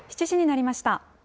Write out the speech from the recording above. ７時になりました。